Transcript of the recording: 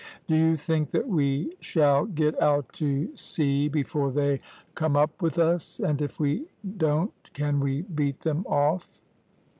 Do you think that we shall get out to sea before they come up with us? and if we don't, can we beat them off?'